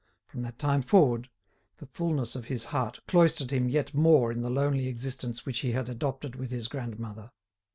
From that time forward, the fulness of his heart cloistered him yet more in the lonely existence which he had adopted with his grandmother.